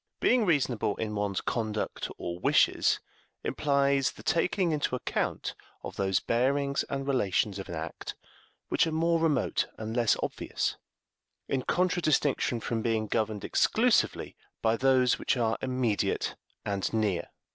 Being reasonable in one's conduct or wishes implies the taking into account of those bearings and relations of an act which are more remote and less obvious, in contradistinction from being governed exclusively by those which are immediate and near.